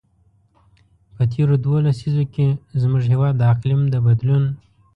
په تېرو دوو لسیزو کې، زموږ هېواد د اقلیم د بدلون.